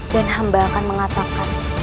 dan hamba akan mengatakan